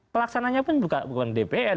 pelaksananya pun bukan dpr